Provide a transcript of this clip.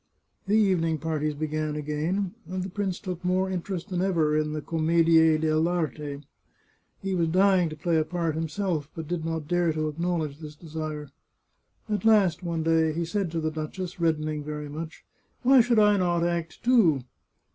The evening parties began again, and the prince took more interest than ever in the commedie deWarte. He was dying to play a part himself, but did not dare to acknowledge this desire. At last, one day, he said to the duchess, reddening very much, " Why should I not act, too?"